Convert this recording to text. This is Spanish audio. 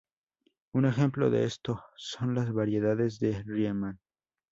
Un ejemplo de esto son las variedades de Riemann.